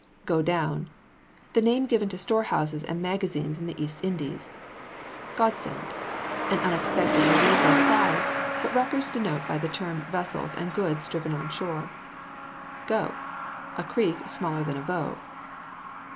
GO DOWN. The name given to store houses and magazines in the East Indies. GODSEND. An unexpected relief or prize; but wreckers denote by the term vessels and goods driven on shore. GOE. A creek, smaller than a voe.